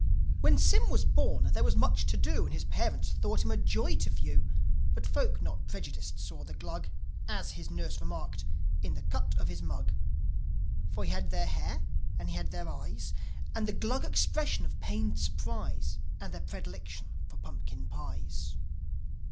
When Sym was born there was much to do, And his parents thought him a joy to view; But folk not prejudiced saw the Glug, As his nurse remarked, "In the cut of his mug." For he had their hair, and he had their eyes, And the Glug expression of pained surprise, And their predilection for pumpkin pies.